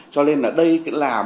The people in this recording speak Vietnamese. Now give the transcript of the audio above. cho nên đây là một